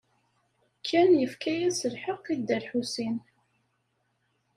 Ken yefka-as lḥeqq i Dda Lḥusin.